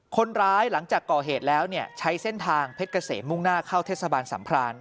หลังจากก่อเหตุแล้วใช้เส้นทางเพชรเกษมมุ่งหน้าเข้าเทศบาลสัมพราน